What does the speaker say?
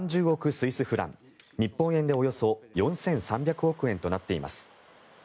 スイスフラン日本円でおよそ４３００億円となっています。